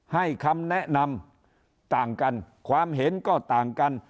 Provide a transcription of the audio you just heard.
ให้คำแนะนำต่างกันความเห็นก็ต่างกัน